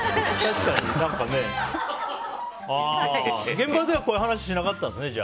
現場ではこういう話しなかったんですね。